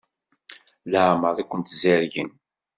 Leɛmeṛ i kent-zerrgen?